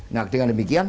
nah dengan demikian